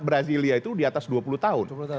brazilia itu di atas dua puluh tahun